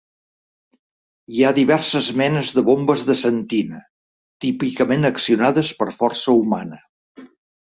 Hi ha diverses menes de bombes de sentina, típicament accionades per força humana.